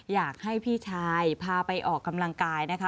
อยากให้พี่ชายพาไปออกกำลังกายนะคะ